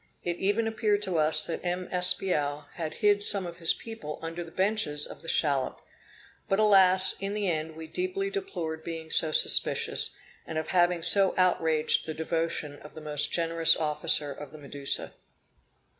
It even appeared to us that M. Espiau had hid some of his people under the benches of the shallop. But alas; in the end we deeply deplored being so suspicious, and of having so outraged the devotion of the most generous officer of the Medusa.